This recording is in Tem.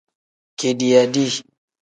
Kediiya dii.